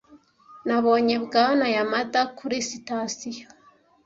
Nabonye Bwana Yamada kuri Sitasiyo